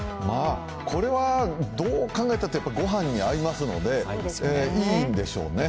これはどう考えたってごはんに合いますので、いいんでしょうね。